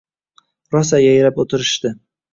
Rosa yayrab o`tirishdi